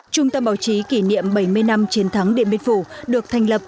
trung tâm báo chí kỷ niệm bảy mươi năm chiến thắng điện biên phủ được thành lập